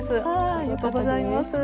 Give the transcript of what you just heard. ありがとうございます。